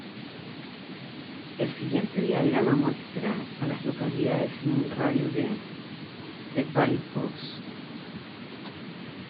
El siguiente diagrama muestra a las localidades en un radio de de Valley Falls.